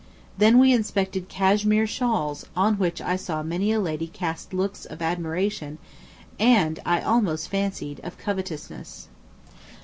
Then we inspected Cashmere shawls, on which I saw many a lady cast looks, of admiration, and, I almost fancied, of covetousness.